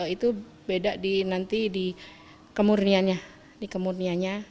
itu beda nanti di kemurniannya